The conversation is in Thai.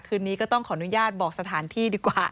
นี้ก็ต้องขออนุญาตบอกสถานที่ดีกว่า